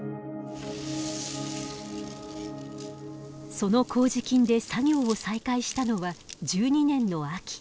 その麹菌で作業を再開したのは１２年の秋。